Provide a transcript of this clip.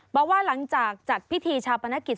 บอกว่าหลังจากจัดพิธีชาปนกิจ